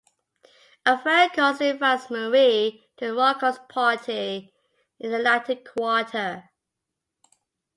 A friend calls and invites Marie to a raucous party in the Latin Quarter.